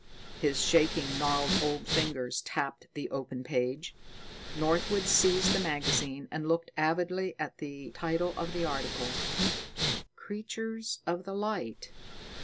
His shaking, gnarled old fingers tapped the open magazine. Northwood seized the magazine and looked avidly at the title of the article, "Creatures of the Light."